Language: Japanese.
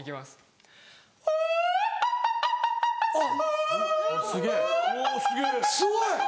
すごい！